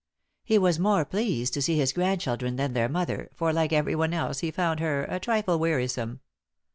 He was more pleased to see his grandchildren than their mother, for, like everyone else, he found her a trifle wearisome.